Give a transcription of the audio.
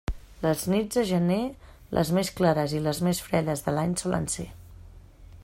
Les nits de gener les més clares i les més fredes de l'any solen ser.